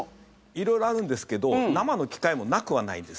色々あるんですけど生の機会もなくはないです。